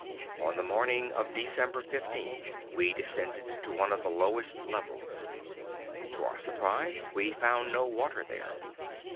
On the morning of December 15th, we descended to one of the lowest levels. To our surprise, we found no water there.